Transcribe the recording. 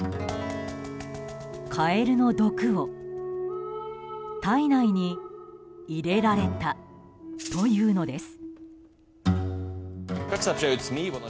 カエルの毒を体内に入れられたというのです。